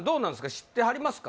知ってはりますか？